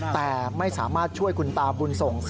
แต่ไม่สามารถช่วยคุณตาบุญส่ง